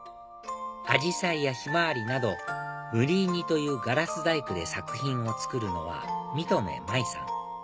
アジサイやヒマワリなどムリーニというガラス細工で作品を作るのは三留舞さん